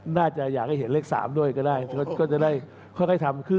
น่าจะอยากให้เห็นเลข๓ด้วยก็ได้ก็จะได้ค่อยทำขึ้น